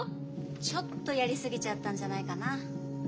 ちょっとやりすぎちゃったんじゃないかな？